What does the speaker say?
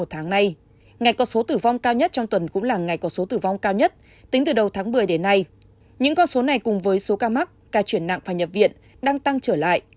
tính từ đầu tháng một mươi đến nay những con số này cùng với số ca mắc ca chuyển nặng và nhập viện đang tăng trở lại